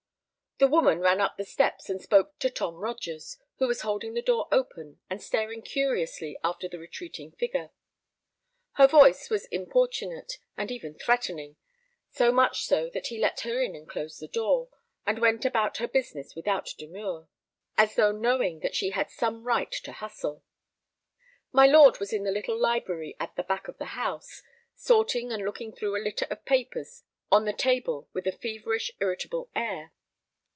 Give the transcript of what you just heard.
The woman ran up the steps and spoke to Tom Rogers, who was holding the door open and staring curiously after the retreating figure. Her voice was importunate, and even threatening—so much so that he let her in and closed the door, and went about her business without demur, as though knowing that she had some right to hustle. My lord was in the little library at the back of the house, sorting and looking through a litter of papers on the table with a feverish, irritable air.